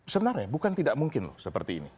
sebenarnya bukan tidak mungkin loh seperti ini